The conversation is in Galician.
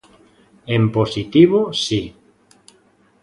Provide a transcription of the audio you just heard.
En positivo, si.